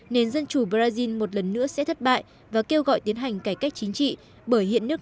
nền dân chủ brazil một lần nữa sẽ thất bại và kêu gọi tiến hành cải cách chính trị bởi hiện nước